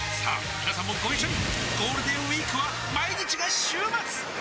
みなさんもご一緒にゴールデンウィークは毎日が週末！